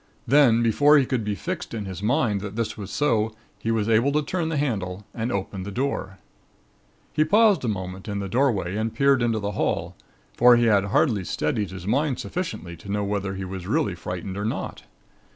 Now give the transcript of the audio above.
Then, before he could be fixed in his mind that this was so, he was able to turn the handle and open the door. "He paused a moment in the doorway and peered into the hall, for he had hardly steadied his mind sufficiently to know whether he was really frightened or not.